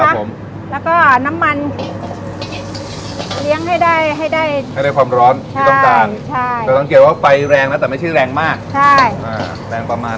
เผ็ดลงไปผัดก่อนเลยใช่ค่ะ